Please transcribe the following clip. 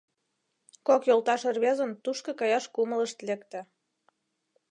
Кок йолташ рвезын тушко каяш кумылышт лекте.